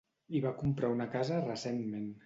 Hi va comprar una casa recentment.